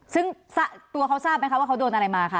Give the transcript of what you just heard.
ซึ่งตัวเขาทราบไหมคะว่าเขาโดนอะไรมาคะ